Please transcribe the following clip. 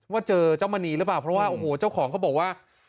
ว่าเจอเจ้ามณีหรือเปล่าเพราะว่าโอ้โหเจ้าของเขาบอกว่า